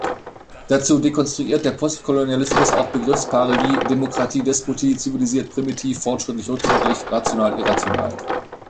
Dazu dekonstruiert der Postkolonialismus auch Begriffspaare wie: Demokratie-Despotie, zivilisiert-primitiv, fortschrittlich-rückschrittlich, rational-irrational.